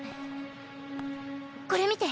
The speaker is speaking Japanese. これ見て！